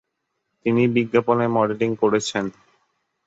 তিনি বিজ্ঞাপনে মডেলিং করেছেন।